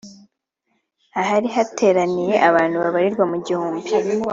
ahari hateraniye abantu babarirwa mu gihumbi